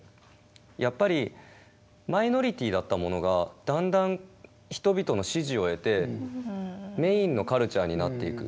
やっぱりマイノリティーだったものがだんだん人々の支持を得てメインのカルチャーになっていく。